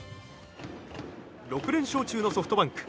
６連勝中のソフトバンク。